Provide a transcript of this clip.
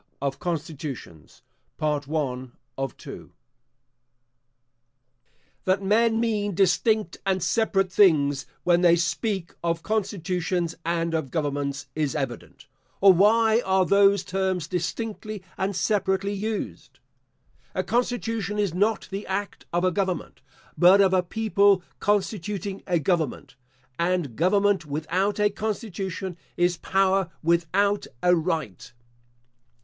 OF CONSTITUTIONS That men mean distinct and separate things when they speak of constitutions and of governments, is evident; or why are those terms distinctly and separately used? A constitution is not the act of a government, but of a people constituting a government; and government without a constitution, is power without a right.